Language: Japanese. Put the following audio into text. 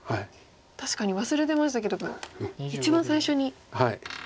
確かに忘れてましたけども一番最初に。